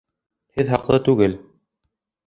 Һеҙ хаҡлы түгел